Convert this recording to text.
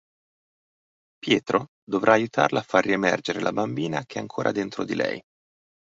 Pietro dovrà aiutarla a far riemergere la bambina che è ancora dentro di lei.